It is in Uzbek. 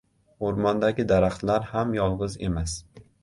• O‘rmondagi daraxtlar ham yolg‘iz emas.